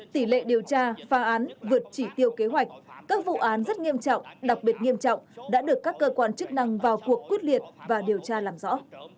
tỷ lệ điều tra phá án vượt chỉ tiêu kế hoạch các vụ án rất nghiêm trọng đặc biệt nghiêm trọng đã được các cơ quan chức năng vào cuộc quyết liệt và điều tra làm rõ